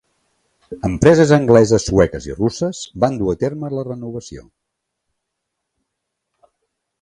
Empreses angleses, sueques i russes van dur a terme la renovació.